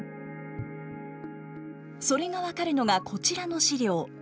それが分かるのがこちらの資料。